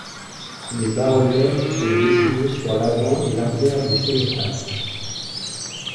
Des bas-reliefs sont dessinés sur l'avant et l'arrière du cénotaphe.